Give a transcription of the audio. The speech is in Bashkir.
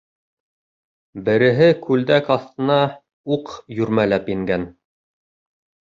Береһе күлдәк аҫтына уҡ йүрмәләп ингән.